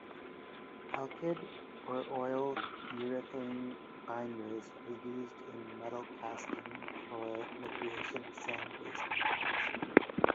Alkyd or oil-urethane binders are used in metalcasting for the creation of sand-based moulds.